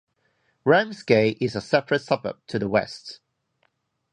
Ramsgate is a separate suburb, to the west.